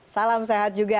salam sehat juga